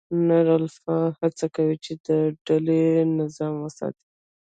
نر الفا هڅه کوي، چې د ډلې نظم وساتي.